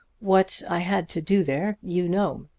"What I had to do there you know.